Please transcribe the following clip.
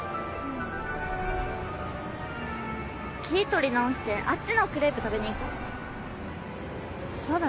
気ぃ取り直してあっちのクレープ食べに行こう。